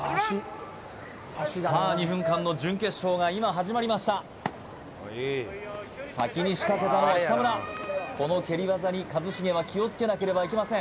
さあ２分間の準決勝が今始まりました先に仕掛けたのは北村この蹴り技に一茂は気をつけなければいけません